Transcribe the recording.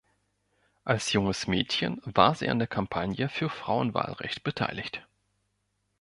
Als junges Mädchen war sie an der Kampagne für Frauenwahlrecht beteiligt.